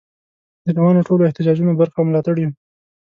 د روانو ټولو احتجاجونو برخه او ملاتړ یو.